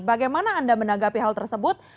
bagaimana anda menanggapi hal tersebut